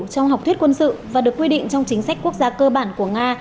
trong học thuyết quân sự và được quy định trong chính sách quốc gia cơ bản của nga